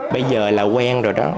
bây giờ là quen rồi đó